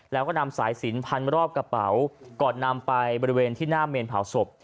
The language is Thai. แล้วก็นำสายสินพันรอบกระเป๋าก่อนนำไปบริเวณที่หน้าเมนเผาศพ